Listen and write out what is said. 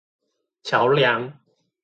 橋梁